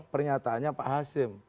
pernyataannya pak hasim